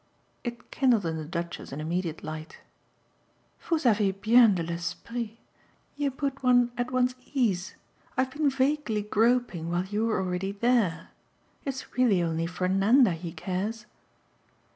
It kindled in the Duchess an immediate light. "Vous avez bien de l'esprit. You put one at one's ease. I've been vaguely groping while you're already there. It's really only for Nanda he cares?"